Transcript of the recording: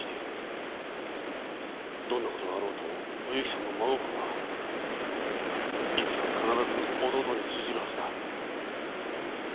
どんなことがあろうとお幸さんの真心はいつか必ず弟に通じるはずだ。